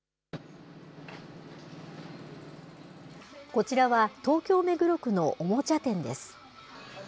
こちらは東京・目黒区のおもちゃ店です。